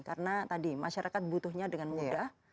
karena tadi masyarakat butuhnya dengan mudah